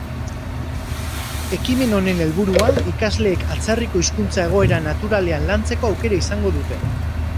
Ekimen honen helburua, ikasleek atzerriko hizkuntza egoera naturalean lantzeko aukera izango dute.